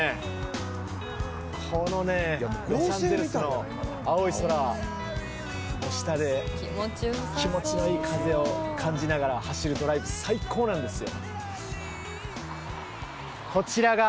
このねロサンゼルスの青い空の下で気持ちのいい風を感じながら走るドライブ最高なんですよ。